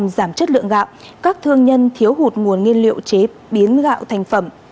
giảm chất lượng gạo các thương nhân thiếu hụt nguồn nguyên liệu chế biến gạo thành phẩm